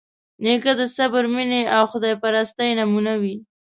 نیکه د صبر، مینې او خدایپرستۍ نمونه وي.